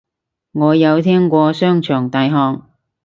我有聽過商場大學